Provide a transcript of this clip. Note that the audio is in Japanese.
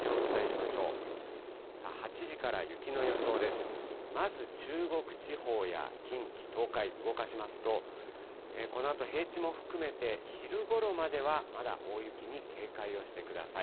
まず中国地方や近畿、東海、動かしますと、このあと平地も含めて、昼ごろまではまだ大雪に警戒をしてください。